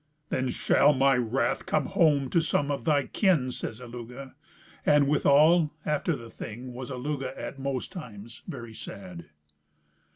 "Then shall my wrath come home to some of thy kin," says Illugi. And withal after the Thing was Illugi at most times very sad.